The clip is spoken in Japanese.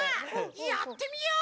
やってみよう！